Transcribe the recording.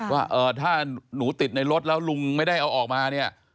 ว่าถ้าหนูติดในรถแล้วลุงไม่ได้เอาออกมาเนี่ย